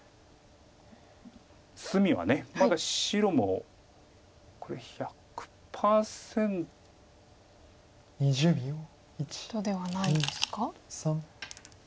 隅はまだ白もこれ１００％。ではないですか？